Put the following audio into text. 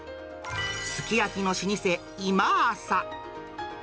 すき焼きの老舗、今朝。